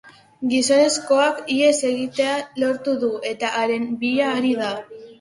Gizonezkoak ihes egitea lortu du eta haren bila ari dira.